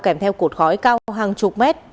kèm theo cột khói cao hàng chục mét